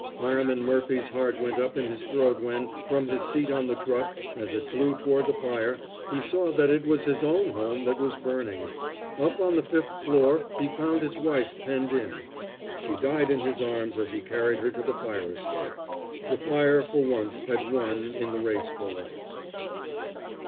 Fireman Murphy's heart went up in his throat when, from his seat on the truck as it flew toward the fire, he saw that it was his own home that was burning. Up on the fifth floor he found his wife penned in. She died in his arms as he carried her to the fire escape. The fire, for once, had won in the race for a life.